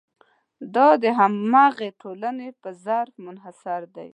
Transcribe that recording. دا د همغې ټولنې په ظرف منحصره ده.